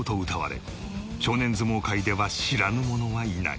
少年相撲界では知らぬ者はいない。